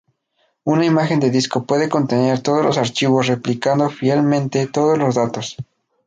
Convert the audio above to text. Una imagen de disco puede contener todos los archivos, replicando fielmente todos los datos.